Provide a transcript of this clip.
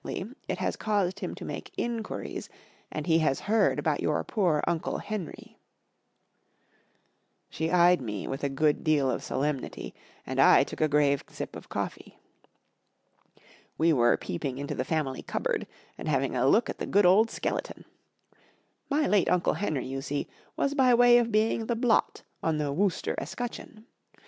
— ia Digitized by ^ OOgie UNIVERSITY OF MICHIGAN 234 Sir Roderick Comes To Lunch has caused him to make inquiries, and he has heard about your poor Uncle Henry/' She eyed me with a good deal of solemnity, and I took a grave sip of coffee. We were peeping into the family cupboard and having a look at the good old skeleton. My late Uncle Henry, you see, was by way of being the blot on the Wooster escutcheon.